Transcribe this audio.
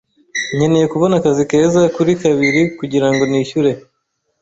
Nkeneye kubona akazi keza kuri kabiri kugirango nishyure.